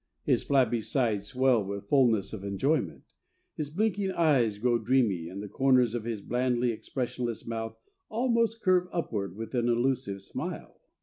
His flabby sides swell with fullness of enjoyment, his blinking eyes grow dreamy and the corners of his blandly expressionless mouth almost curve upward with an elusive smile.